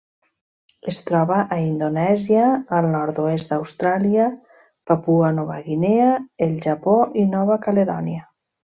Es troba a Indonèsia, el nord-oest d'Austràlia, Papua Nova Guinea, el Japó i Nova Caledònia.